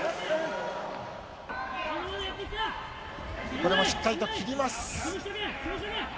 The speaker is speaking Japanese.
これもしっかり切ります。